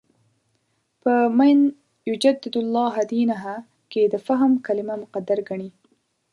په «مَن یُجَدِّدُ لَهَا دِینَهَا» کې د «فهم» کلمه مقدر ګڼي.